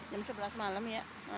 jam sebelas malam ya